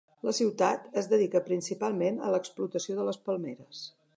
La ciutat es dedica principalment a l'explotació de les palmeres.